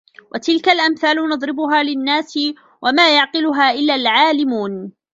وَتِلكَ الأَمثالُ نَضرِبُها لِلنّاسِ وَما يَعقِلُها إِلَّا العالِمونَ